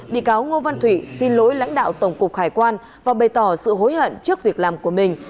bị cáo ngô văn thủy xin lỗi lãnh đạo tổng cục hải quan và bày tỏ sự hối hận trước việc làm của mình